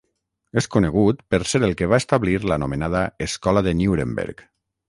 És conegut per ser el que va establir l'anomenada escola de Nuremberg.